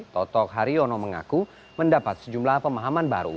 totok haryono mengaku mendapat sejumlah pemahaman baru